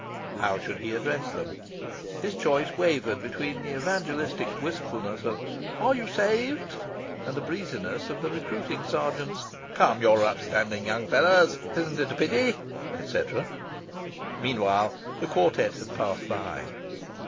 How should he address them? His choice wavered between the evangelic wistfulness of "Are you saved?" and the breeziness of the recruiting sergeant's "Come, you're fine upstanding young fellows. Isn't it a pity," etc. Meanwhile, the quartet had passed by.